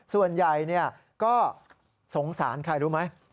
ส่วนใหญ่ก็สงสารใครรู้ไหม